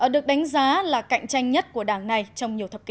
được đánh giá là cạnh tranh nhất của đảng này trong nhiều thập kỷ